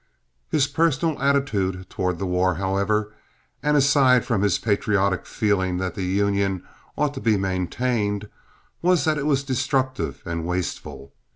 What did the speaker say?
His personal attitude toward the war, however, and aside from his patriotic feeling that the Union ought to be maintained, was that it was destructive and wasteful.